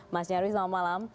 mas nyarwi selamat malam